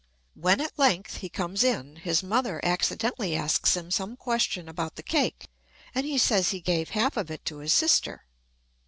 When at length he comes in, his mother accidentally asks him some question about the cake, and he says he gave half of it to his sister.